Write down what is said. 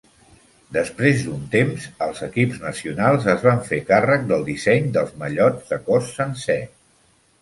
Després d'un temps, els equips nacionals es van fer càrrec del disseny dels mallots de cos sencer.